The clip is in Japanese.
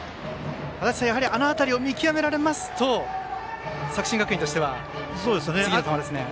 足達さんあの辺りを見極められますと作新学院としては次の球となりますね。